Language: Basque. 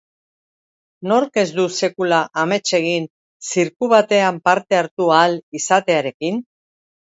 Nork ez du sekula amets egin zirku batean parte hartu ahal izatearekin?